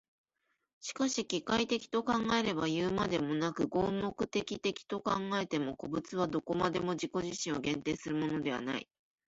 しかし機械的と考えればいうまでもなく、合目的的と考えても、個物はどこまでも自己自身を限定するものではない。